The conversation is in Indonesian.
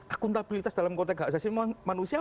akuntabilitas dalam konteks keaksesan manusia